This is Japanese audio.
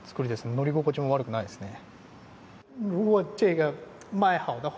乗り心地も悪くないですね。